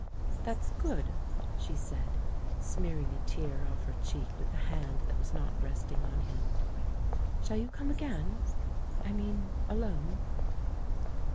"That's good!" she said, smearing a tear off her cheek with the hand that was not resting on him. "Shall you come again — I mean alone?"